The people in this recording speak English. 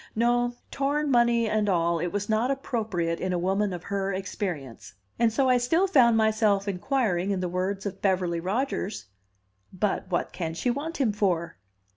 No, torn money and all, it was not appropriate in a woman of her experience; and so I still found myself inquiring in the words of Beverly Rodgers, "But what can she want him for?"